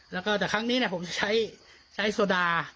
แล้วก็แต่ครั้งนี้ผมใช้โซดา